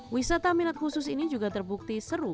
wisata minat khusus ini juga terbukti seru